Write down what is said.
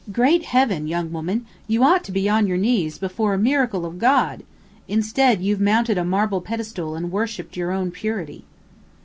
Great Heaven, young woman, you ought to be on your knees before a miracle of God! Instead, you've mounted a marble pedestal and worshipped your own purity!"